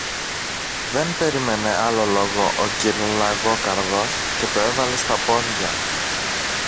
Δεν περίμενε άλλο λόγο ο κυρ-Λαγόκαρδος, και το έβαλε στα πόδια.